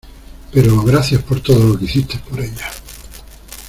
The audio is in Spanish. pero gracias por todo lo que hiciste por ella.